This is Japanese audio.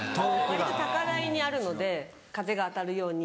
割と高台にあるので風が当たるように。